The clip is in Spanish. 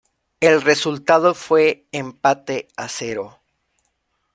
El resultado fue empate a cero.